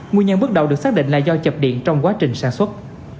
nguyên nhân bước đầu được xác định là do chập điện trong quá trình sản xuất